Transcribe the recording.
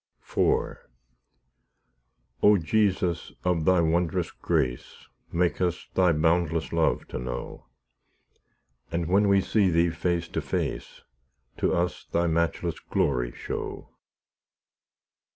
IV O Jesus, of Thy wondrous grace, Make us Thy boundless love to know; And when we see Thee face to face, To us Thy matchless glory show.